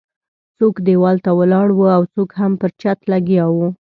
څوک ديوال ته ولاړ وو او څوک هم پر چت لګیا وو.